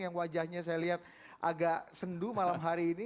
yang wajahnya saya lihat agak sendu malam hari ini